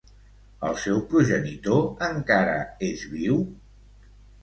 El seu progenitor encara és viu?